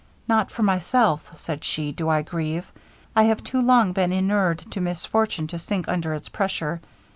'Not for myself,' said she, 'do I grieve. I have too long been inured to misfortune to sink under its pressure.